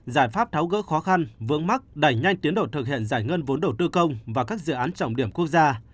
giải pháp tháo gỡ khó khăn vướng mắt đẩy nhanh tiến độ thực hiện giải ngân vốn đầu tư công và các dự án trọng điểm quốc gia